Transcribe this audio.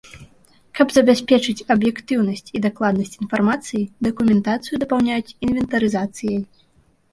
Каб забяспечыць аб'ектыўнасць і дакладнасць інфармацыі, дакументацыю дапаўняюць інвентарызацыяй.